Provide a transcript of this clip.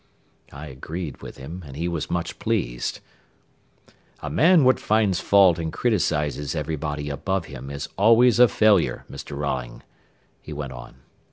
I agreed with him, and he was much pleased. "A man what finds fault an' criticises everybody above him is always a failure, Mr. Rolling," he went on.